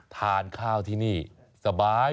ทานข้าวที่นี่สบาย